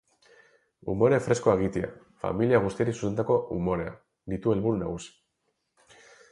Umore freskoa egitea, familia guztiari zuzendutako umorea, ditu helburu nagusi.